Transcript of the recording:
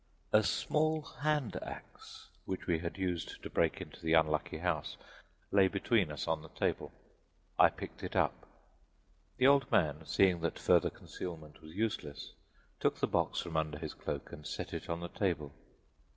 A small hand axe, which we had used to break into the unlucky house, lay between us on the table; I picked it up. The old man seeing that further concealment was useless took the box from under his cloak and set it on the table.